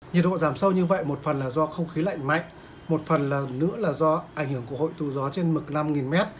nhiệt độ giảm sâu như vậy một phần là do không khí lạnh mạnh một phần nữa là do ảnh hưởng của hội tù gió trên mực năm m